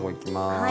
はい。